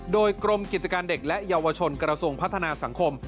โดยกรมกิจการเด็กและเยาวชนกระทรวงพัฒนาสังคม